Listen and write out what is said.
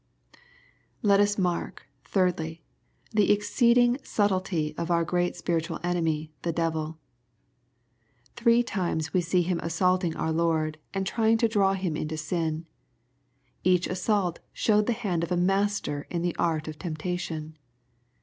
Let us mark^ thirdly, the exceeding subtlety of our great spiritual enemyj the devil. Three times we see him assaulting our Lord, and trying to draw Him into sin. Each assault showed the hand of a master in the art of temptation.